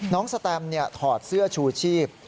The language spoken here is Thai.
น้องแสตมป์ถอดเสื้อชูชีพ